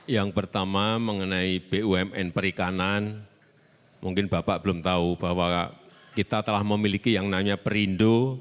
yang pertama mengenai bumn perikanan mungkin bapak belum tahu bahwa kita telah memiliki yang namanya perindo